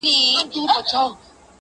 دې لېوني ماحول کي ووایه پر چا مئين يم,